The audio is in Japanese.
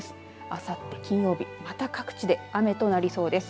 あさって金曜日また各地で雨となりそうです。